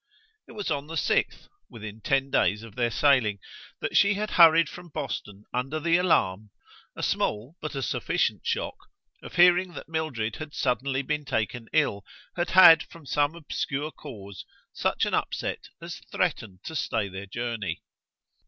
It was on the sixth within ten days of their sailing that she had hurried from Boston under the alarm, a small but a sufficient shock, of hearing that Mildred had suddenly been taken ill, had had, from some obscure cause, such an upset as threatened to stay their journey.